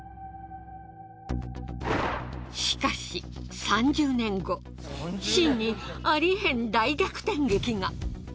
しかし３０年後秦にありえへん大逆転劇が。